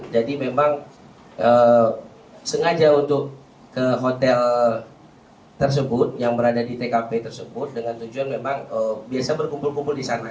jadi memang sengaja untuk ke hotel tersebut yang berada di tkp tersebut dengan tujuan memang biasa berkumpul kumpul disangka